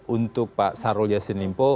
untuk pak syahrul yassin limpo